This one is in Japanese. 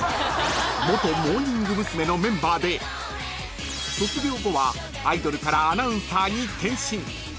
［元モーニング娘。のメンバーで卒業後はアイドルからアナウンサーに転身］